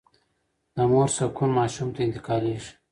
د مور سکون ماشوم ته انتقالېږي.